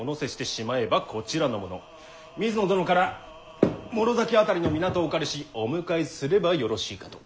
水野殿から師崎辺りの港をお借りしお迎えすればよろしいかと。